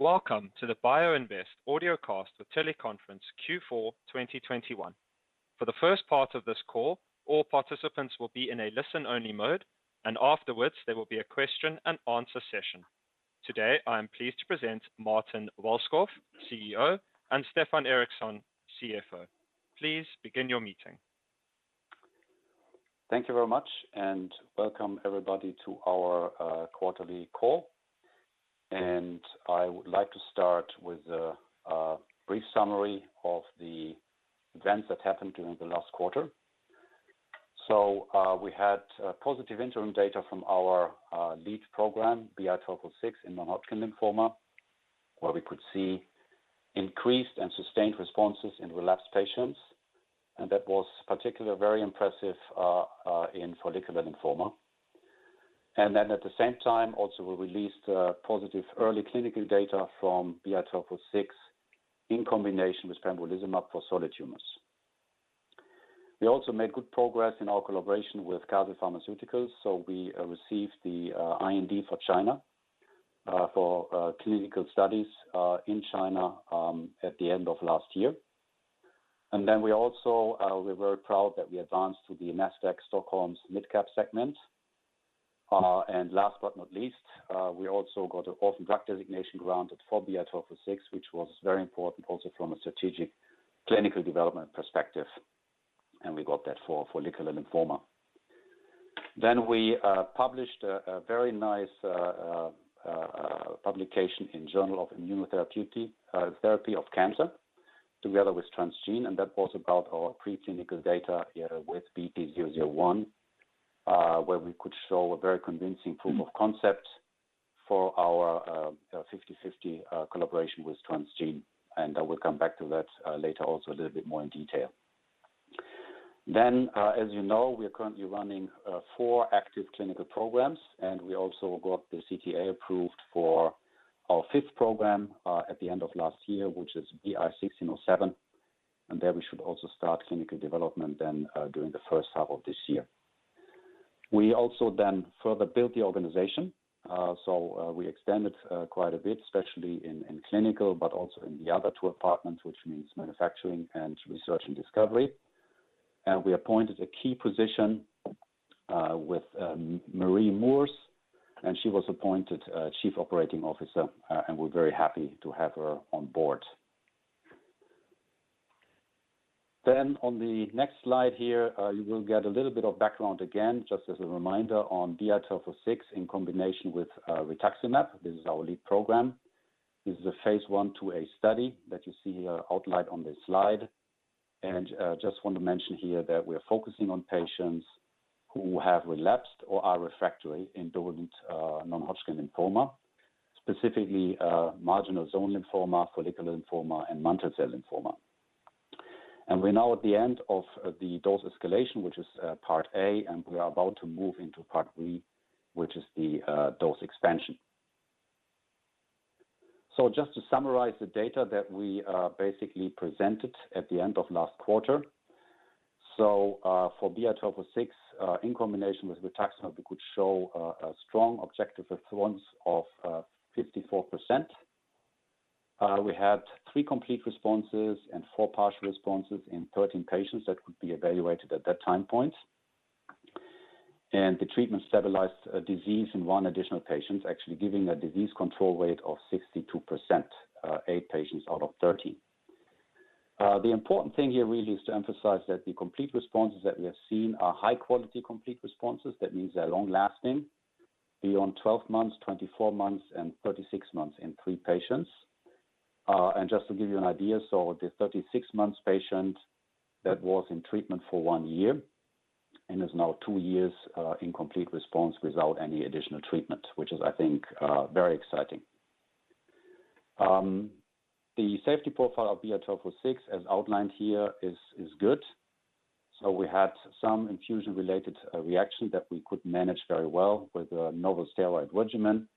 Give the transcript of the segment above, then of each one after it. Welcome to the BioInvent's Audiocast with Teleconference Q4 2021. For the first part of this call, all participants will be in a listen-only mode, and afterwards there will be a question and answer session. Today, I am pleased to present Martin Welschof, CEO, and Stefan Ericsson, CFO. Please begin your meeting. Thank you very much and welcome everybody to our quarterly call. I would like to start with a brief summary of the events that happened during the last quarter. We had positive interim data from our lead program, BI-1206 in non-Hodgkin lymphoma, where we could see increased and sustained responses in relapsed patients. That was particularly very impressive in follicular lymphoma. At the same time also we released positive early clinical data from BI-1206 in combination with pembrolizumab for solid tumors. We also made good progress in our collaboration with CASI Pharmaceuticals. We received the IND for China for clinical studies in China at the end of last year. We also were very proud that we advanced to the Nasdaq Stockholm's mid-cap segment. Last but not least, we also got an Orphan Drug Designation granted for BI-1206, which was very important also from a strategic clinical development perspective, and we got that for follicular lymphoma. We published a very nice publication in Journal for ImmunoTherapy of Cancer together with Transgene, and that was about our preclinical data here with BT-001, where we could show a very convincing proof of concept for our 50/50 collaboration with Transgene, and I will come back to that later also a little bit more in detail. As you know, we are currently running four active clinical programs, and we also got the CTA approved for our fifth program at the end of last year, which is BI-1607. There we should also start clinical development then during the first half of this year. We also then further built the organization. We extended quite a bit, especially in clinical, but also in the other two departments, which means manufacturing and research and discovery. We appointed a key position with Marie Moores, and she was appointed Chief Operating Officer, and we're very happy to have her on board. On the next slide here, you will get a little bit of background again, just as a reminder on BI-1206 in combination with rituximab. This is our lead program. This is a Phase 1/2a study that you see here outlined on this slide. Just want to mention here that we're focusing on patients who have relapsed or are refractory indolent non-Hodgkin lymphoma, specifically marginal zone lymphoma, follicular lymphoma, and mantle cell lymphoma. We're now at the end of the dose escalation, which is part A, and we are about to move into part B, which is the dose expansion. Just to summarize the data that we basically presented at the end of last quarter. For BI-1206 in combination with rituximab, we could show a strong objective response rate of 54%. We had 3 complete responses and 4 partial responses in 13 patients that could be evaluated at that time point. The treatment stabilized disease in one additional patient, actually giving a disease control rate of 62%, 8 patients out of 30. The important thing here really is to emphasize that the complete responses that we have seen are high-quality complete responses. That means they're long-lasting, beyond 12 months, 24 months, and 36 months in 3 patients. Just to give you an idea, the 36 months patient that was in treatment for 1 year and is now 2 years in complete response without any additional treatment, which is, I think, very exciting. The safety profile of BI-1206 as outlined here is good. We had some infusion-related reaction that we could manage very well with a novel steroid regimen.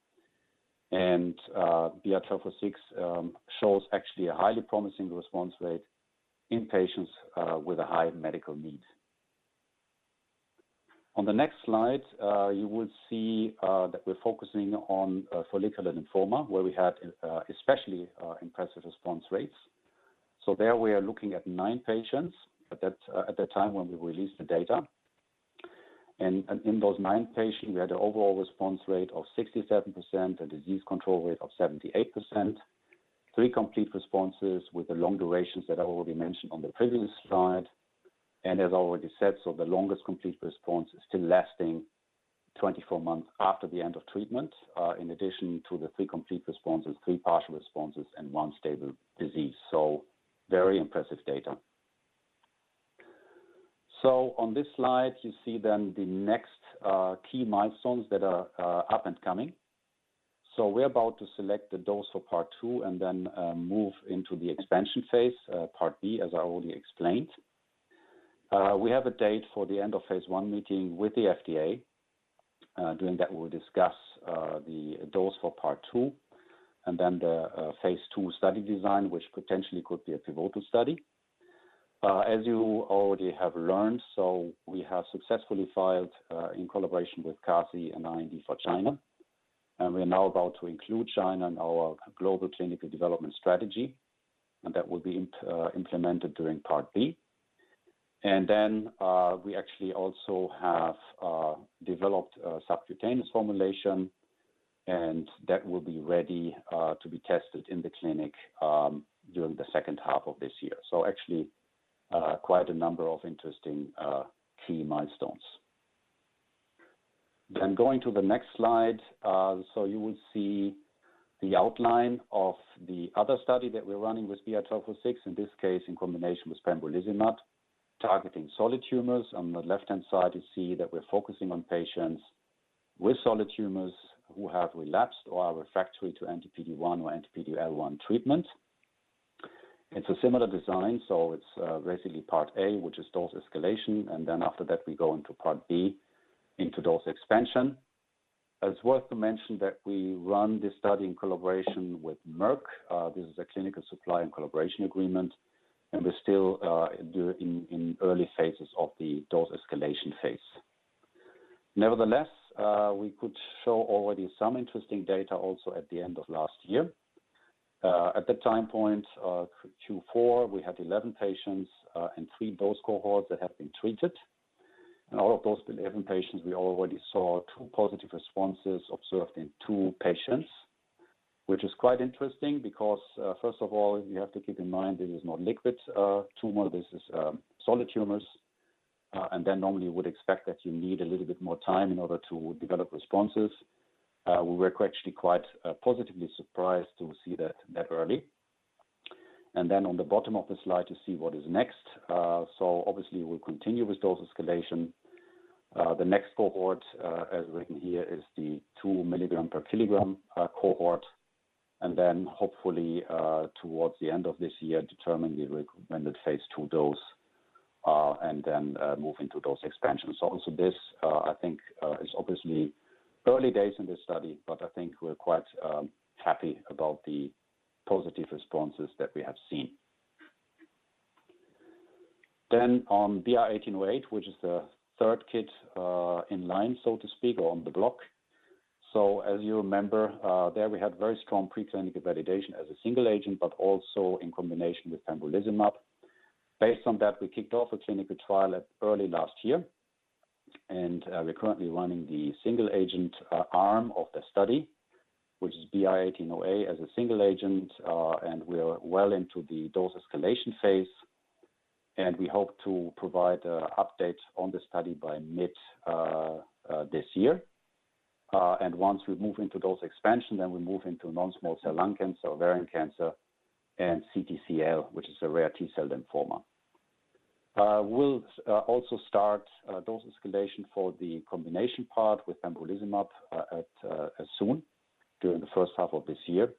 BI-1206 shows actually a highly promising response rate in patients with a high medical need. On the next slide, you will see that we're focusing on follicular lymphoma, where we had especially impressive response rates. There we are looking at nine patients at that time when we released the data. In those nine patients, we had an overall response rate of 67%, a disease control rate of 78%. Three complete responses with the long durations that I already mentioned on the previous slide. As already said, the longest complete response is still lasting 24 months after the end of treatment, in addition to the three complete responses, three partial responses, and one stable disease. Very impressive data. On this slide, you see the next key milestones that are up and coming. We're about to select the dose for part two and then move into the expansion phase, part B, as I already explained. We have a date for the end-of-phase 1 meeting with the FDA. During that, we'll discuss the dose for part two and then the Phase 2 study design, which potentially could be a pivotal study. As you already have learned, we have successfully filed, in collaboration with CASI, an IND for China. We are now about to include China in our global clinical development strategy, and that will be implemented during part B. We actually also have developed a subcutaneous formulation, and that will be ready to be tested in the clinic during the second half of this year. Actually, quite a number of interesting key milestones. Going to the next slide, so you will see the outline of the other study that we're running with BI-1206, in this case in combination with pembrolizumab, targeting solid tumors. On the left-hand side, you see that we're focusing on patients with solid tumors who have relapsed or are refractory to anti-PD-1 or anti-PD-L1 treatment. It's a similar design, so it's basically part A, which is dose escalation, and then after that we go into part B, into dose expansion. It's worth to mention that we run this study in collaboration with Merck. This is a clinical supply and collaboration agreement, and we're still in early phases of the dose escalation phase. Nevertheless, we could show already some interesting data also at the end of last year. At that time point, Q4, we had 11 patients and three dose cohorts that have been treated. Out of those 11 patients, we already saw two positive responses observed in two patients, which is quite interesting because first of all, you have to keep in mind this is not liquid tumor, this is solid tumors. Then normally you would expect that you need a little bit more time in order to develop responses. We were actually quite positively surprised to see that early. Then on the bottom of the slide, you see what is next. Obviously we'll continue with dose escalation. The next cohort, as written here, is the 2 mg/kg cohort. Hopefully, towards the end of this year, we will determine the recommended Phase 2 dose and then move into dose expansion. Also, this, I think, is obviously early days in this study, but I think we're quite happy about the positive responses that we have seen. On BI-1808, which is the third one in line, so to speak, or on the block. As you remember, there we had very strong preclinical validation as a single agent, but also in combination with pembrolizumab. Based on that, we kicked off a clinical trial in early last year. We're currently running the single agent arm of the study, which is BI-1808 as a single agent. We're well into the dose escalation phase. We hope to provide updates on the study by mid this year. Once we move into dose expansion, then we move into non-small cell lung cancer, ovarian cancer, and CTCL, which is a rare T-cell lymphoma. We'll also start dose escalation for the combination part with pembrolizumab as soon as during the first half of this year.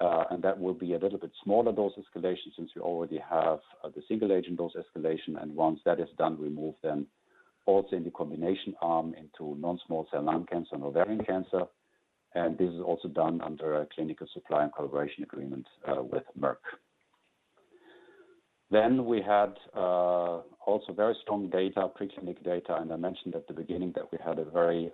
That will be a little bit smaller dose escalation since you already have the single agent dose escalation. Once that is done, we move then also in the combination arm into non-small cell lung cancer and ovarian cancer. This is also done under a clinical supply and collaboration agreement with Merck. We had also very strong data, preclinical data. I mentioned at the beginning that we had a very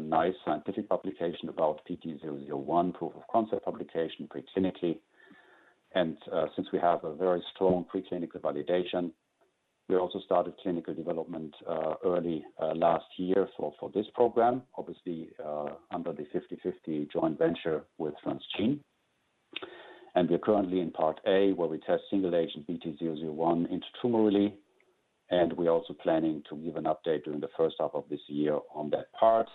nice scientific publication about BT-001 proof of concept publication preclinically. Since we have a very strong preclinical validation, we also started clinical development early last year for this program, obviously, under the 50/50 joint venture with Transgene. We're currently in part A, where we test single agent BT-001 intratumorally, and we're also planning to give an update during the first half of this year on that part.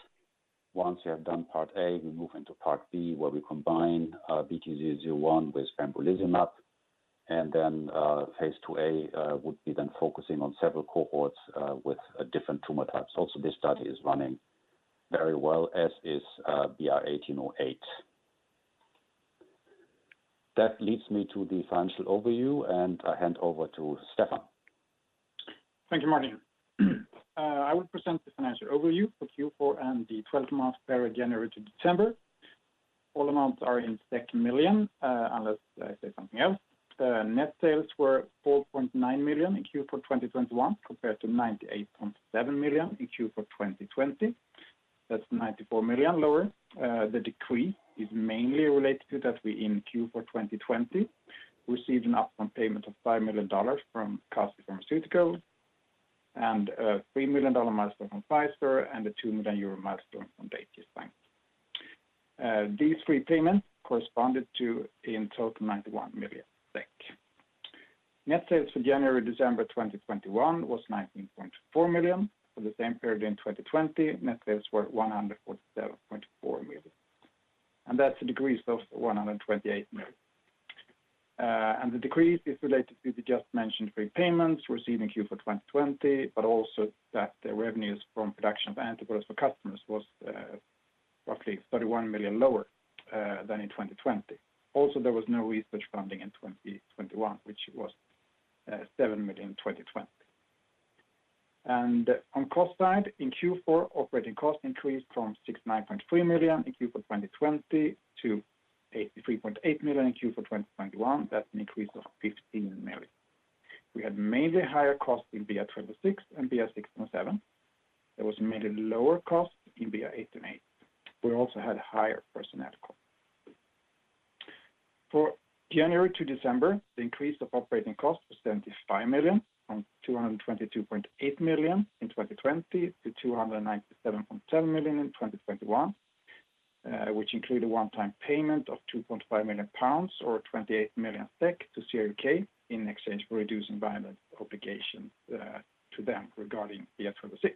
Once we have done part A, we move into part B, where we combine BT-001 with pembrolizumab. Phase 2a would be then focusing on several cohorts with a different tumor types. This study is running very well, as is BI-1808. That leads me to the financial overview, and I hand over to Stefan. Thank you, Martin. I will present the financial overview for Q4 and the twelve-month period, January to December. All amounts are in million, unless I say something else. The net sales were 4.9 million in Q4 2021, compared to 98.7 million in Q4 2020. That's 94 million lower. The decrease is mainly related to that we, in Q4 2020, received an upfront payment of $5 million from CASI Pharmaceuticals and a $3 million milestone from Pfizer and a 2 million euro milestone from Daiichi Sankyo. These three payments corresponded to, in total, 91 million SEK. Net sales for January, December 2021 was 19.4 million. For the same period in 2020, net sales were 147.4 million. That's a decrease of 128 million. The decrease is related to the just mentioned upfront payments received in Q4 2020, but also that the revenues from production of antibodies for customers was roughly 31 million lower than in 2020. There was no research funding in 2021, which was 7 million in 2020. On cost side, in Q4 operating cost increased from 69.3 million in Q4 2020 to 83.8 million in Q4 2021. That's an increase of 15 million. We had mainly higher costs in BI-1206 and BI-1607. There was mainly lower cost in BI-1808. We also had higher personnel costs. For January to December, the increase of operating costs was 75 million from 222.8 million in 2020 to 297.10 million in 2021. which include a one-time payment of 2.5 million pounds or 28 million SEK to CRUK in exchange for reducing our agreement obligation to them regarding BI-1206.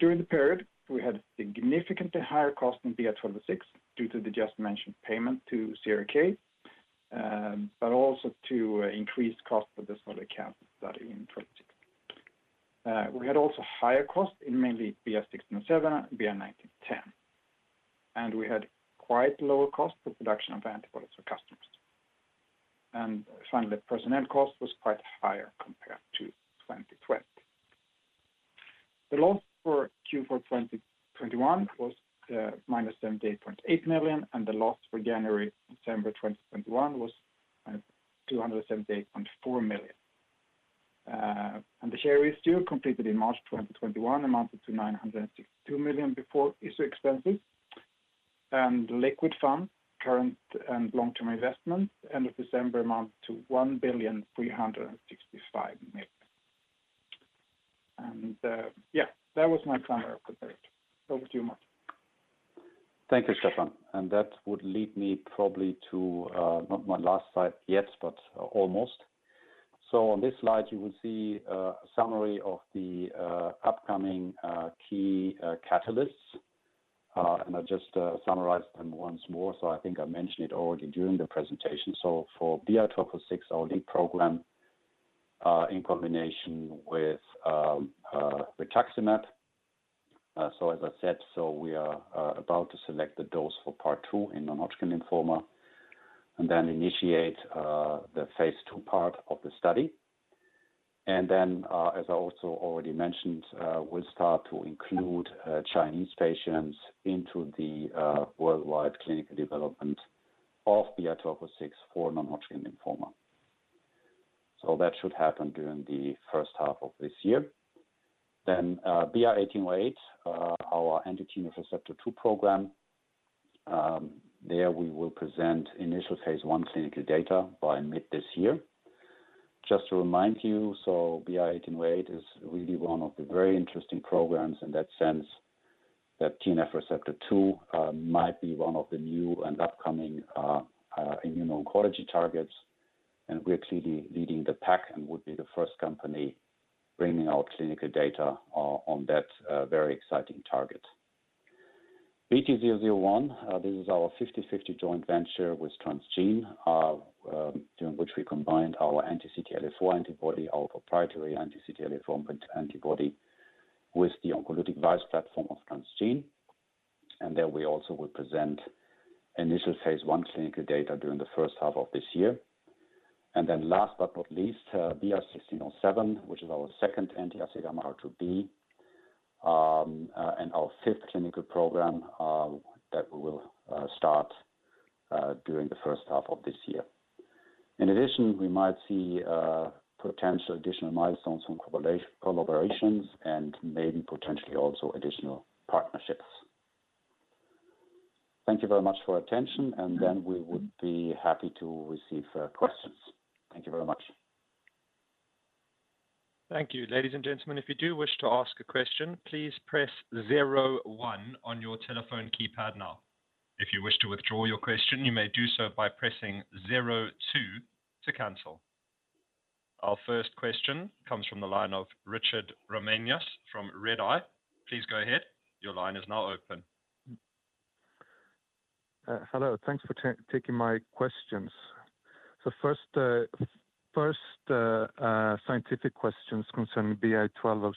During the period we had significantly higher costs in BI-1206 due to the just mentioned payment to CRUK, but also to increased cost for the smaller-scale study in 2022. We had also higher costs in mainly BI-1607 and BI-1910. We had quite lower cost for production of antibodies for customers. Finally, personnel cost was quite higher compared to 2020. The loss for Q4 2021 was -78.8 million, and the loss for January to December 2021 was 278.4 million. The share issue completed in March 2021 amounted to 962 million before issue expenses. Liquid funds, current and long-term investments end of December amount to 1,365 million. Yeah, that was my summary of the day. Over to you, Martin. Thank you, Stefan. That would lead me probably to, not my last slide yet, but almost. On this slide, you will see a summary of the upcoming key catalysts. I'll just summarize them once more. I think I mentioned it already during the presentation. For BI-1206 OD program in combination with rituximab. As I said, we are about to select the dose for part two in non-Hodgkin lymphoma and then initiate the Phase 2 part of the study. As I also already mentioned, we'll start to include Chinese patients into the worldwide clinical development of BI-1206 for non-Hodgkin lymphoma. That should happen during the first half of this year. BI-1808 our anti-TNF receptor 2 program. There we will present initial Phase 1 clinical data by mid this year. Just to remind you, BI-1808 is really one of the very interesting programs in that sense that TNF receptor 2 might be one of the new and upcoming immuno-oncology targets. We're clearly leading the pack and would be the first company bringing out clinical data on that very exciting target. BT-001, this is our 50-50 joint venture with Transgene, during which we combined our anti-CTLA-4 antibody, our proprietary anti-CTLA-4 antibody with the oncolytic virus platform of Transgene. There we also will present initial Phase 1 clinical data during the first half of this year. Then last but not least, BI-1607, which is our second anti-FcγRIIB, and our fifth clinical program that we will start during the first half of this year. In addition, we might see potential additional milestones from collaborations and maybe potentially also additional partnerships. Thank you very much for your attention, and then we would be happy to receive questions. Thank you very much. Thank you. Ladies and gentlemen, if you do wish to ask a question, please press 01 on your telephone keypad now. If you wish to withdraw your question, you may do so by pressing 02 to cancel. Our first question comes from the line of Richard Ramanius from Redeye. Please go ahead. Your line is now open. Hello. Thanks for taking my questions. First scientific questions concerning BI-1206.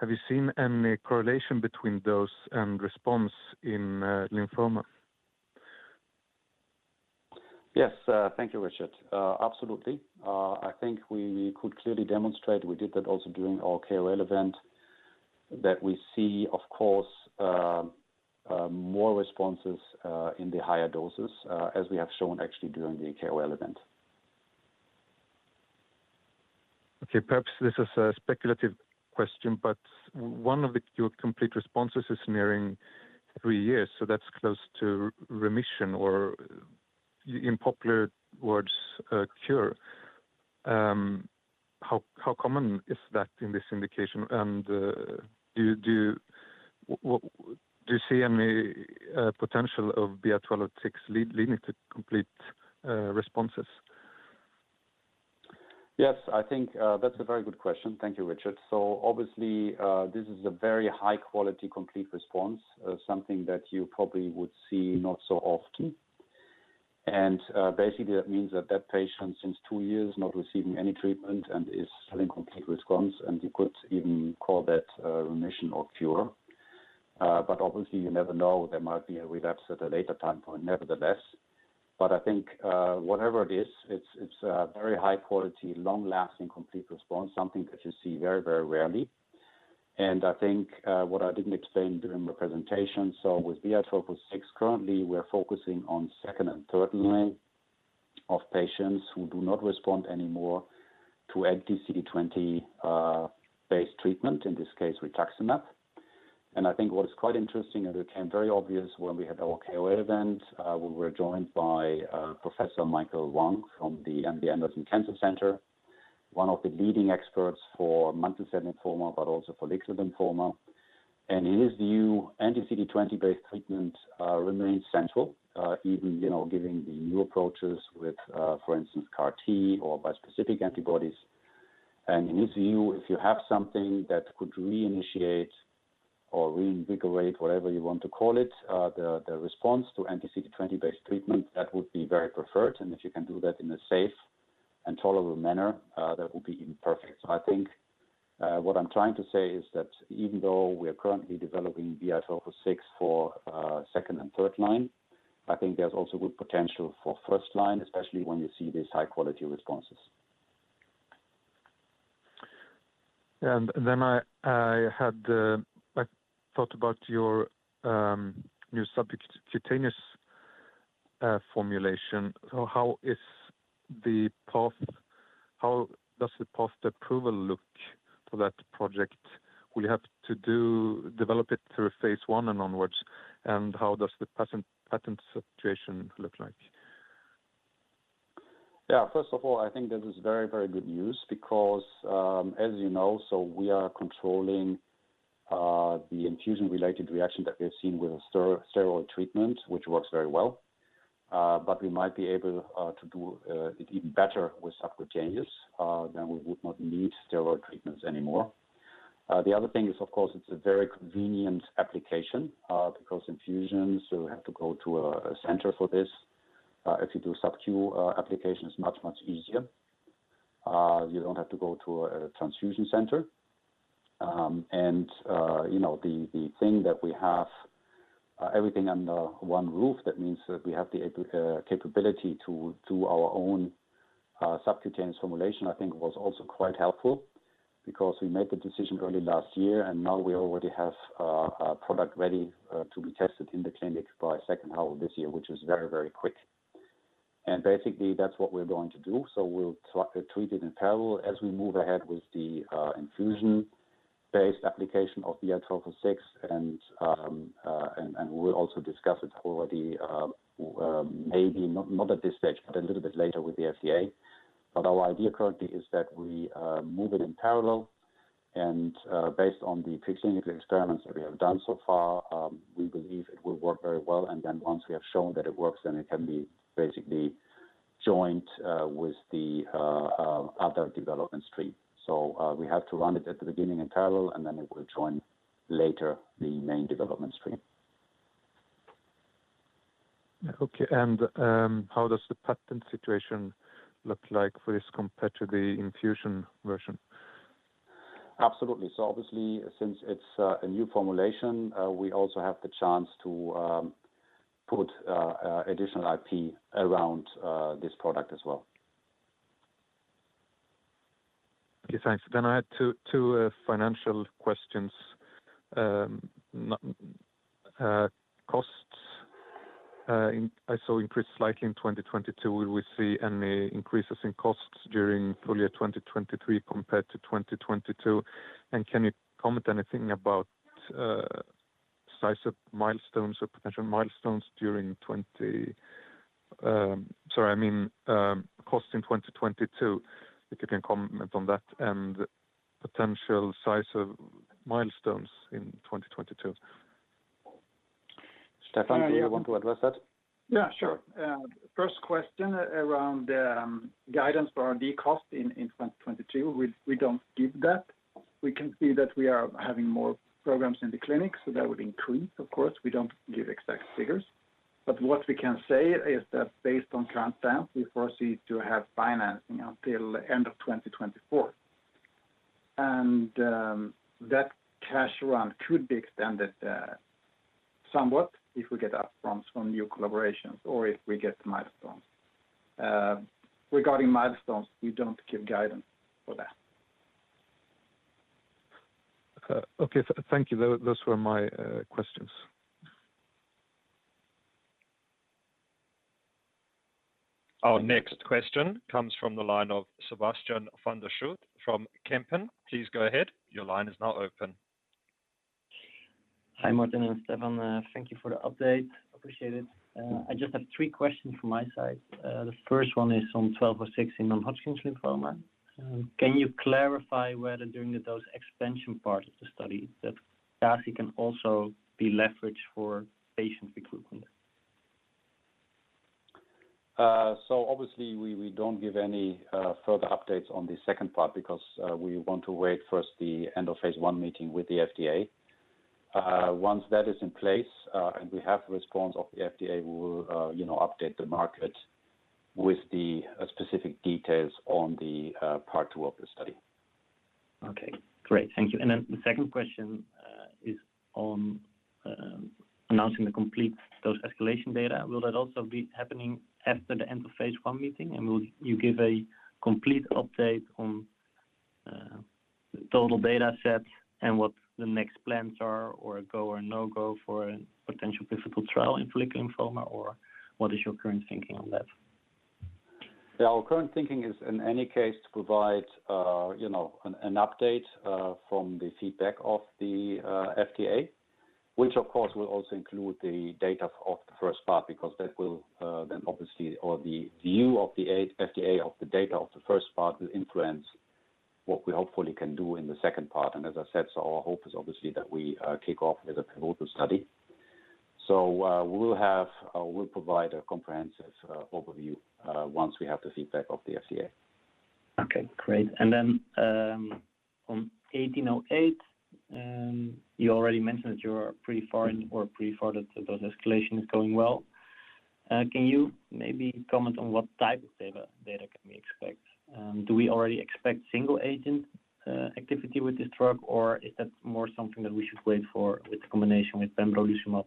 Have you seen any correlation between dose and response in lymphoma? Yes. Thank you, Richard. Absolutely. I think we could clearly demonstrate we did that also during our KOL event, that we see, of course, more responses in the higher doses, as we have shown actually during the KOL event. Okay. Perhaps this is a speculative question, but one of your complete responses is nearing three years, so that's close to remission or in popular words, a cure. How common is that in this indication? And do you see any potential of BI-1206 leading to complete responses? Yes, I think that's a very good question. Thank you, Richard. Obviously, this is a very high-quality complete response, something that you probably would see not so often. Basically, that means that patient since two years not receiving any treatment and is having complete response, and you could even call that remission or cure, but obviously you never know, there might be a relapse at a later time point nevertheless. I think whatever it is, it's a very high quality, long-lasting complete response, something that you see very, very rarely. I think what I didn't explain during the presentation, so with BI-1206 currently, we're focusing on second and third line of patients who do not respond anymore to anti-CD20 based treatment, in this case, rituximab. I think what is quite interesting, and it became very obvious when we had our KOL event, we were joined by Professor Michael Wang from the MD Anderson Cancer Center, one of the leading experts for mantle cell lymphoma, but also for Richter lymphoma. In his view, anti-CD20 based treatment remains central, even, you know, giving the new approaches with, for instance, CAR-T or bispecific antibodies. In his view, if you have something that could reinitiate or reinvigorate, whatever you want to call it, the response to anti-CD20 based treatment, that would be very preferred. If you can do that in a safe and tolerable manner, that would be even perfect. I think what I'm trying to say is that even though we are currently developing BI-1206 for second and third line, I think there's also good potential for first line, especially when you see these high-quality responses. I thought about your new subcutaneous formulation. How does the path to approval look for that project? Will you have to develop it through Phase 1 and onwards? How does the patent situation look like? Yeah. First of all, I think this is very, very good news because, as you know, we are controlling the infusion-related reaction that we're seeing with a steroid treatment, which works very well. We might be able to do it even better with subcutaneous. We would not need steroid treatments anymore. The other thing is, of course, it's a very convenient application because infusions, you have to go to a center for this. If you do sub-q application, it's much, much easier. You don't have to go to an infusion center. You know, the thing that we have everything under one roof, that means that we have the capability to do our own subcutaneous formulation, I think was also quite helpful because we made the decision early last year, and now we already have a product ready to be tested in the clinics by second half of this year, which is very, very quick. Basically, that's what we're going to do. We'll treat it in parallel as we move ahead with the infusion-based application of BI-1206. We'll also discuss it already, maybe not at this stage, but a little bit later with the FDA. Our idea currently is that we move it in parallel. Based on the preclinical experiments that we have done so far, we believe it will work very well. Then once we have shown that it works, then it can be basically joined with the other development stream. We have to run it at the beginning in parallel, and then it will join later the main development stream. Okay, how does the patent situation look like for this compared to the infusion version? Absolutely. Obviously, since it's a new formulation, we also have the chance to put additional IP around this product as well. Okay, thanks. I had two financial questions. I saw costs increase slightly in 2022. Will we see any increases in costs during full year 2023 compared to 2022? Can you comment anything about cost in 2022, if you can comment on that and potential size of milestones in 2022. Stefan, do you want to address that? Yeah, sure. First question around guidance for our R&D cost in 2022. We don't give that. We can see that we are having more programs in the clinic, so that would increase of course. We don't give exact figures. What we can say is that based on current plans, we foresee to have financing until end of 2024. That cash runway could be extended somewhat if we get upfronts from new collaborations or if we get milestones. Regarding milestones, we don't give guidance for that. Okay, thank you. Those were my questions. Our next question comes from the line of Sebastiaan Van der Schoot from Kempen. Please go ahead. Your line is now open. Hi, Martin and Stefan. Thank you for the update. Appreciate it. I just have three questions from my side. The first one is on 1206 in non-Hodgkin lymphoma. Can you clarify whether during the dose expansion part of the study that CASI can also be leveraged for patient recruitment? Obviously we don't give any further updates on the second part because we want to wait for the end of Phase 1 meeting with the FDA. Once that is in place and we have response of the FDA, we will you know update the market with the specific details on the part 2 of the study. Okay, great. Thank you. Then the second question is on announcing the complete dose escalation data. Will that also be happening after the end of Phase 1 meeting? Will you give a complete update on the total data sets and what the next plans are, or a go or no-go for a potential pivotal trial in follicular lymphoma, or what is your current thinking on that? Yeah, our current thinking is in any case to provide, you know, an update from the feedback of the FDA, which of course will also include the data of the first part because that will then obviously the view of the FDA of the data of the first part will influence what we hopefully can do in the second part. As I said, our hope is obviously that we kick off with a pivotal study. We'll provide a comprehensive overview once we have the feedback of the FDA. Okay, great. Then, on BI-1808, you already mentioned that you're pretty far in or pretty far that those escalation is going well. Can you maybe comment on what type of data can we expect? Do we already expect single agent activity with this drug, or is that more something that we should wait for with the combination with pembrolizumab?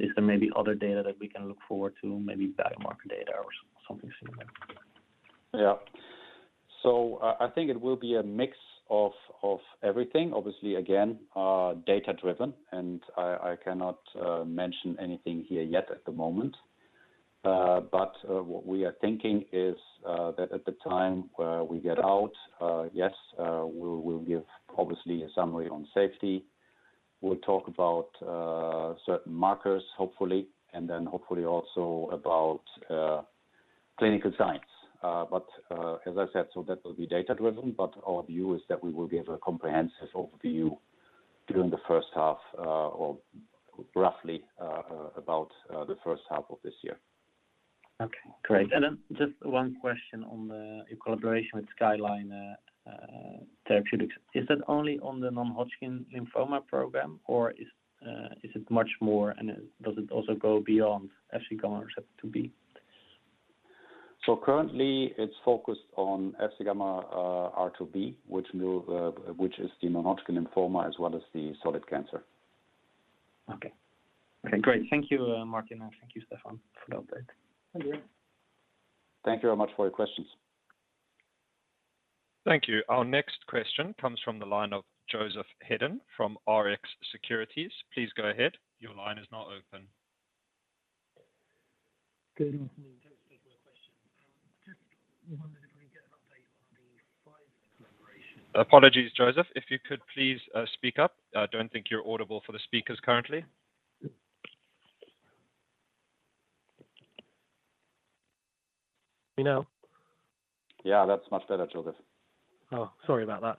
Is there maybe other data that we can look forward to, maybe biomarker data or something similar? I think it will be a mix of everything. Obviously, again, data-driven, and I cannot mention anything here yet at the moment. What we are thinking is that at the time where we get out, yes, we'll give obviously a summary on safety. We'll talk about certain markers, hopefully, and then hopefully also about clinical science. As I said, that will be data-driven, but our view is that we will give a comprehensive overview during the first half, or roughly, about the first half of this year. Okay, great. Just one question on the, your collaboration with SkylineDx. Is that only on the non-Hodgkin lymphoma program, or is it much more, and does it also go beyond FcγRIIB? Currently it's focused on FcγRIIB, which is the non-Hodgkin lymphoma as well as the solid cancer. Okay. Okay. Great. Thank you, Martin, and thank you, Stefan, for the update. Thank you. Thank you very much for your questions. Thank you. Our next question comes from the line of Joseph Hedden from Rx Securities. Please go ahead. Your line is now open. Good evening. Thanks for taking my question. Just wondering if we can get an update on the Pfizer collaboration. Apologies, Joseph. If you could please, speak up. I don't think you're audible for the speakers currently. Can you hear me now? Yeah. That's much better, Joseph. Oh, sorry about that.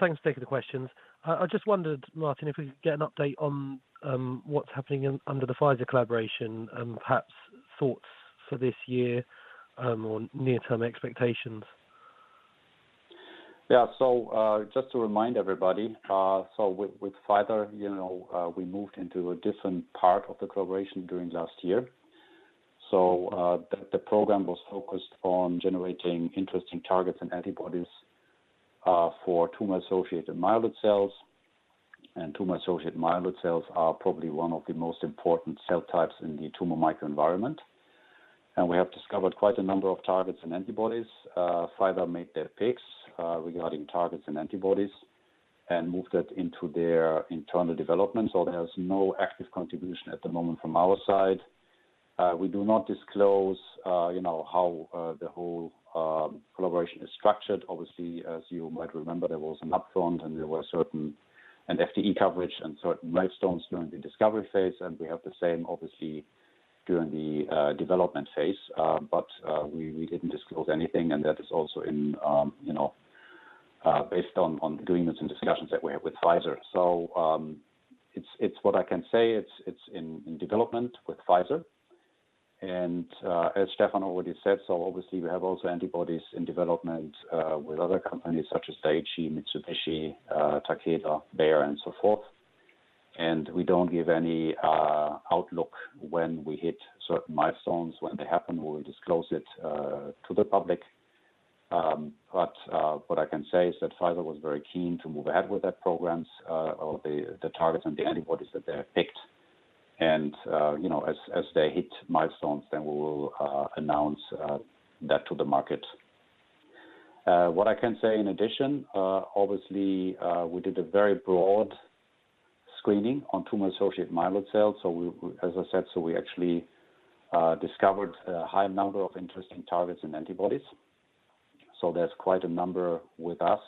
Thanks for taking the questions. I just wondered, Martin, if we could get an update on what's happening under the Pfizer collaboration, and perhaps thoughts for this year, or near-term expectations. Yeah. Just to remind everybody, with Pfizer, you know, we moved into a different part of the collaboration during last year. The program was focused on generating interesting targets and antibodies for tumor-associated myeloid cells. Tumor-associated myeloid cells are probably one of the most important cell types in the tumor microenvironment. We have discovered quite a number of targets and antibodies. Pfizer made their picks regarding targets and antibodies and moved it into their internal development. There's no active contribution at the moment from our side. We do not disclose, you know, how the whole collaboration is structured. Obviously, as you might remember, there was an upfront, and there were certain. an FTE coverage and certain milestones during the discovery phase, and we have the same obviously during the development phase. We didn't disclose anything, and that is also based on agreements and discussions that we have with Pfizer. It's what I can say it's in development with Pfizer. As Stefan already said, obviously we have also antibodies in development with other companies such as Daiichi, Mitsubishi, Takeda, Bayer, and so forth. We don't give any outlook when we hit certain milestones. When they happen, we'll disclose it to the public. What I can say is that Pfizer was very keen to move ahead with those programs or the targets and the antibodies that they have picked. You know, as they hit milestones, then we will announce that to the market. What I can say in addition, obviously, we did a very broad screening on tumor-associated myeloid cells. As I said, we actually discovered a high number of interesting targets and antibodies. There's quite a number with us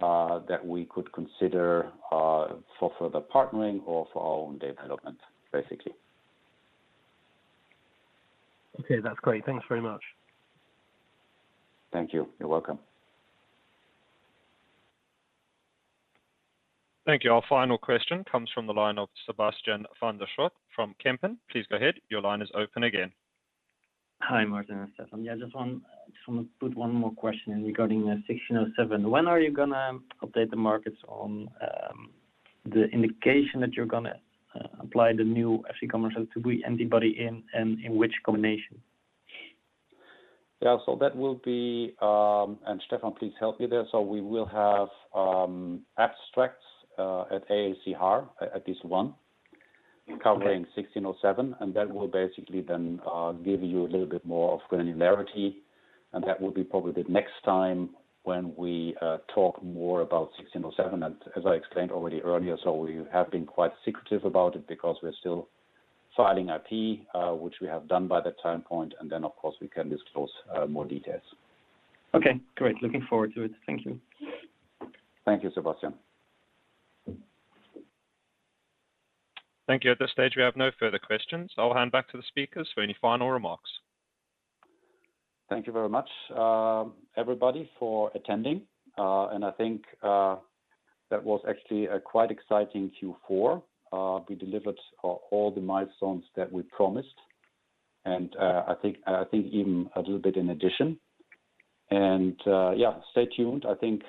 that we could consider for further partnering or for our own development, basically. Okay. That's great. Thanks very much. Thank you. You're welcome. Thank you. Our final question comes from the line of Sebastiaan Van der Schoot from Kempen. Please go ahead. Your line is open again. Hi, Martin and Stefan. Yeah, just wanna put one more question in regarding 1607. When are you gonna update the markets on the indication that you're gonna apply the new FcγRIIB antibody in, and in which combination? Yeah. That will be. Stefan, please help me there. We will have abstracts at AACR, at least one- Okay. Covering BI-1607, that will basically then give you a little bit more of granularity. That will be probably the next time when we talk more about BI-1607. As I explained already earlier, we have been quite secretive about it because we're still filing IP, which we have done by that time point, and then, of course, we can disclose more details. Okay, great. Looking forward to it. Thank you. Thank you, Sebastiaan. Thank you. At this stage, we have no further questions. I'll hand back to the speakers for any final remarks. Thank you very much, everybody for attending. I think that was actually a quite exciting Q4. We delivered all the milestones that we promised and I think even a little bit in addition. Yeah, stay tuned. I think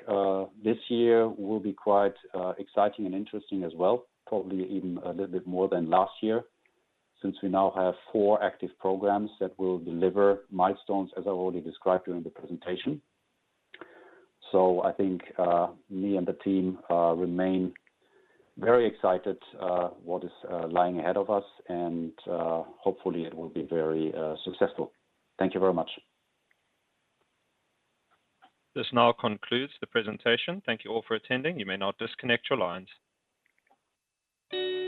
this year will be quite exciting and interesting as well, probably even a little bit more than last year since we now have four active programs that will deliver milestones, as I already described during the presentation. I think me and the team remain very excited what is lying ahead of us, and hopefully, it will be very successful. Thank you very much. This now concludes the presentation. Thank you all for attending. You may now disconnect your lines.